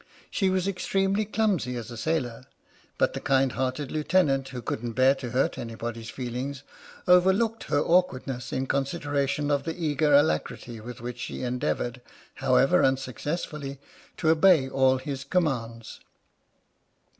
She was extremely clumsy as a sailor, but the kind hearted Lieutenant, who couldn't bear to hurt anybody's feelings, overlooked her awkwardness in considera tion of the eager alacrity with which she endeavoured, however unsuccessfully, to obey all his commands.